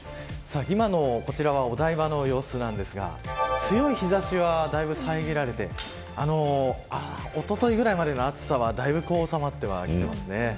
今のお台場の様子ですが強い日差しは遮られておとといぐらいまでの暑さはおさまってきていますね。